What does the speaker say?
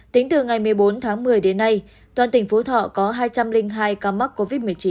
tính từ ngày một mươi bốn tháng một mươi đến nay toàn tỉnh phú thọ có hai trăm linh hai ca mắc covid một mươi chín